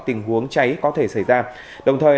tình huống cháy có thể xảy ra đồng thời